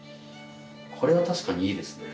これは確かにいいですね。